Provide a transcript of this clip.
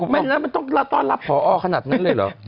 มันต้องรับต้อนรับพอขนาดนั้นเลยเหรอ